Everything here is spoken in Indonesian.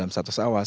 di dalam satu sawah